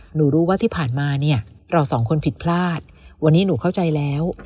หนูรู้ว่าที่ผ่านมาเนี่ยเราสองคนผิดพลาดวันนี้หนูเข้าใจแล้ว